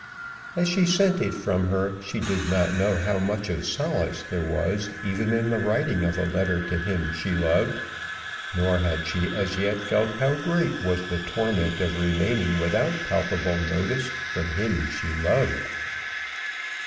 As she sent it from her she did not know how much of solace there was even in the writing of a letter to him she loved, nor had she as yet felt how great was the torment of remaining without palpable notice from him she loved.